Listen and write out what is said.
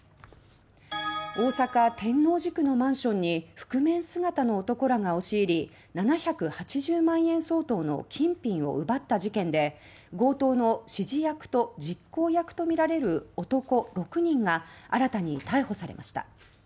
大阪天王寺区のマンションに覆面姿の男らが押し入り７８０万円相当の金品を奪った事件で強盗の指示役と実行役とみられる男６人が新たに逮捕されました。